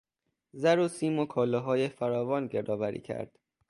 زر و سیم و کالاهای فراوان گردآوری کرد.